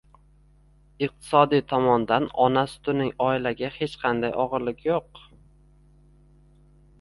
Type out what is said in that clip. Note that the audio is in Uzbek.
Iqtisodiy tomondan ona sutining oilaga hech qanday og‘irligi yo‘q.